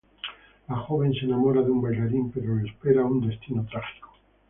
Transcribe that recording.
La joven se enamora de un bailarín, pero le espera un destino trágico.